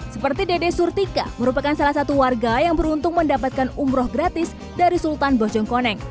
seperti dede surtika merupakan salah satu warga yang beruntung mendapatkan umroh gratis dari sultan bojongkoneng